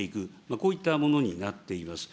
こういったものになっています。